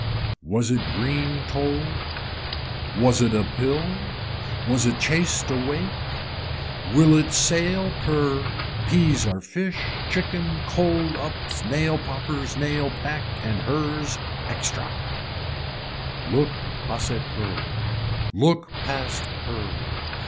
Was it green told, was it a pill, was it chased awake, will it sale per, peas are fish, chicken, cold ups, nail poppers, nail pack in hers extra. Look pase per. Look past per.